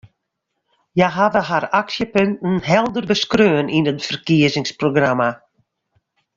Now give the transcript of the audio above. Hja hawwe har aksjepunten helder beskreaun yn it ferkiezingsprogramma.